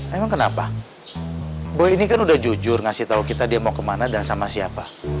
emang kenapa gue ini kan udah jujur ngasih tahu kita dia mau kemana dan sama siapa